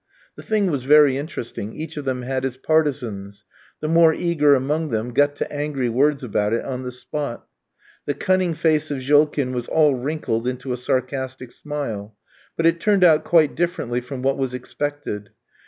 The thing was very interesting, each of them had his partisans; the more eager among them got to angry words about it on the spot. The cunning face of Jolkin was all wrinkled into a sarcastic smile; but it turned out quite differently from what was expected.